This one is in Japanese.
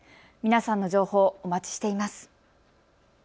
皆さんの情報、お待ちしています。